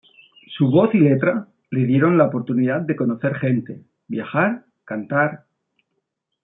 Su voz y letra le dieron la oportunidad de conocer gente, viajar, cantar.